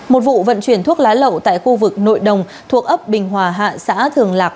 một vụ vận chuyển thuốc lá lậu tại khu vực nội đồng thuộc ấp bình hòa hạ xã thường lạc